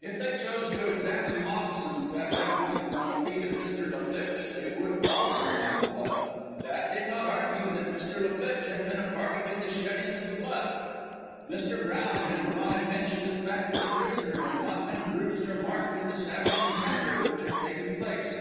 If they chose to examine the moccasins at that moment on the feet of Mr. La Flitche, they would also find blood. That did not argue that Mr. La Flitche had been a party to the shedding of the blood. Mr. Brown had drawn attention to the fact that the prisoner had not been bruised or marked in the savage encounter which had taken place.